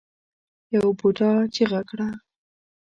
يوه بوډا چيغه کړه.